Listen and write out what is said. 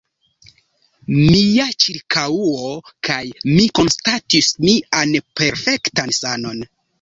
Mia ĉirkaŭo kaj mi konstatis mian perfektan sanon.